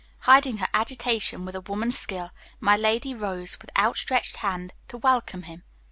Hiding her agitation with a woman's skill, my lady rose with outstretched hand to welcome him.